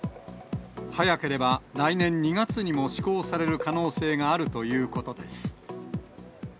早ければ来年２月にも施行される可能性があるということです。